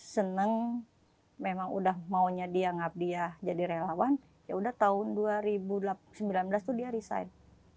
seneng memang udah maunya dia ngabdia jadi relawan yaudah tahun dua ribu sembilan belas tuh dia resign